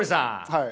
はい。